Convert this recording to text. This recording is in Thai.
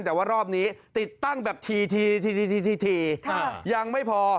แต่ว่ารอบนี้ติดตั้งแบบทียังไม่พอ